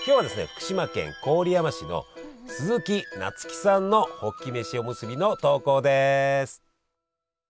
福島県郡山市のすずきなつきさんのホッキ飯おむすびの投稿です。